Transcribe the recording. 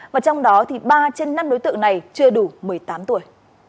và trong đó thì ba trên năm đối tượng này chưa đủ một mươi tám tuổi